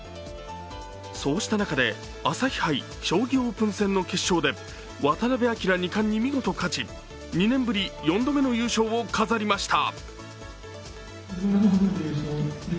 そうした中で朝日杯将棋オープン戦の決勝で渡辺明二冠に見事勝ち、２年ぶり４度目の優勝を飾りました。